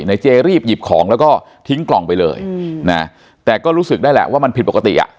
เจรีบหยิบของแล้วก็ทิ้งกล่องไปเลยนะแต่ก็รู้สึกได้แหละว่ามันผิดปกติอ่ะ